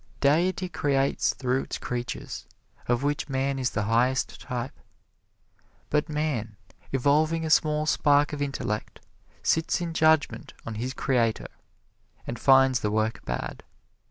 Deity creates through its creatures, of which man is the highest type. But man, evolving a small spark of intellect, sits in judgment on his Creator, and finds the work bad.